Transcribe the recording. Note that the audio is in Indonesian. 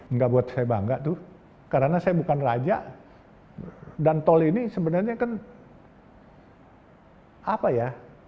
nggak buat saya bangga tuh karena saya bukan raja dan tol ini sebenarnya kan apa ya